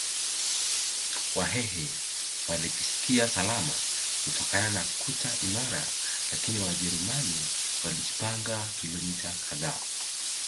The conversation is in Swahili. Wahehe walijisikia salama kutokana na kuta imara lakini Wajerumani walijipanga kilomita kadhaa